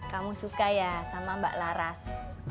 kamu suka ya sama mbak laras